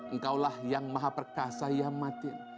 engkau lah yang maha perkasa ya matin